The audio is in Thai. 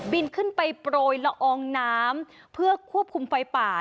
ขึ้นไปโปรยละอองน้ำเพื่อควบคุมไฟป่า